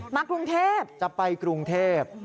กรุงเทพจะไปกรุงเทพ